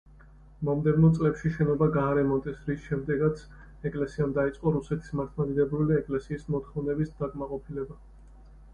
მომდევნო წლებში შენობა გაარემონტეს, რის შემდეგაც ეკლესიამ დაიწყო რუსეთის მართლმადიდებლური ეკლესიის მოთხოვნების დაკმაყოფილება.